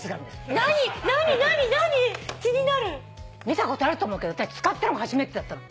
見たことあると思うけど私使ったのが初めてだったの。